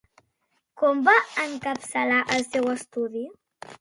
Com va encapçalar el seu estudi?